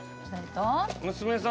娘さん